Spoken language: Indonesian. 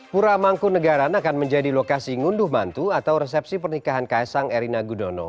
pura mangkunegaran akan menjadi lokasi ngunduh mantu atau resepsi pernikahan ks sang erina gudono